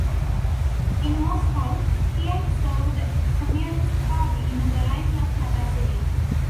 In Moscow, Pieck served the Communist Party in a variety of capacities.